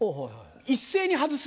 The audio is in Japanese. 一斉に外す。